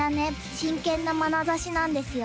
真剣なまなざしなんですよ